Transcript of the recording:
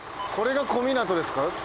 これが小湊ですか。